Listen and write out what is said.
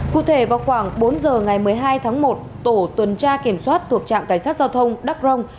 cụ thể vào khoảng bốn giờ ngày một mươi hai tháng một tổ tuần tra kiểm soát thuộc trạm cảnh sát giao thông đắc rông